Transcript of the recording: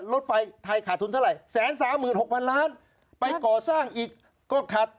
รถไฟไทยขาดทุนเท่าไหร่๑๓๖๐๐๐ล้านไปก่อสร้างอีกก็ขาด